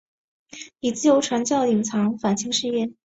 以自由传教隐藏反清事业。